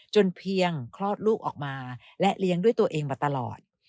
เพียงคลอดลูกออกมาและเลี้ยงด้วยตัวเองมาตลอด